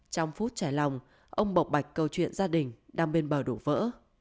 trong phút trải lòng ông bộc bạch câu chuyện gia đình đang bên bờ đổ vỡ